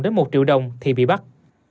đến một triệu đồng thì bị bắt